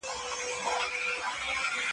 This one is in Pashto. موږ وزن نه پېژنو.